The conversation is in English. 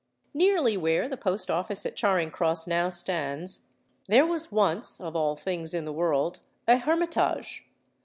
Nearly where the Post Office at Charing Cross now stands, there was once (of all things in the world) a hermitage.